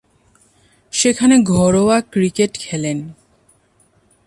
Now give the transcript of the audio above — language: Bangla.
সেখানে ঘরোয়া ক্রিকেট খেলেন।